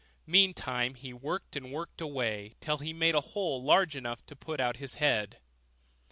Meantime he worked and worked away, till he made a hole large enough to put out his head.